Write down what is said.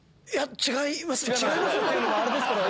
違いますって言うのもあれですけど。